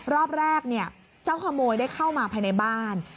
รอบแรกเจ้าขโมยได้เข้ามาภายในบ้าน